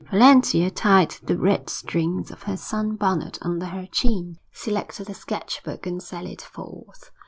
Valentia tied the red strings of her sun bonnet under her chin, selected a sketchbook, and sallied forth.